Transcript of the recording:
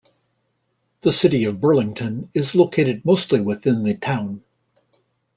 The City of Burlington is located mostly within the town.